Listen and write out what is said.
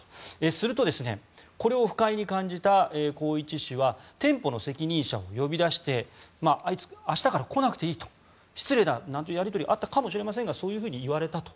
すると、これを不快に感じた宏一氏は店舗の責任者を呼び出してあいつ、明日から来なくていいと失礼だというようなやり取りがあったかもしれませんがそういうふうに言われたと。